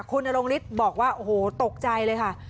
คุณนรงฤทธิ์บอกว่าโอ้โหตกใจเลยค่ะ